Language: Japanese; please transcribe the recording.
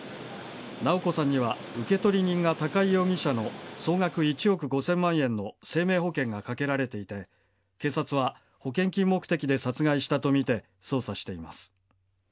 直子さんには受取人が高井容疑者の総額１億５０００万円の生命保険がかけられていて警察は保険金目的で殺害したとみて捜査しています。